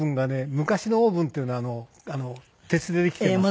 昔のオーブンっていうのは鉄でできていますよね。